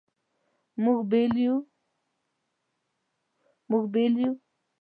مونږ بیل یو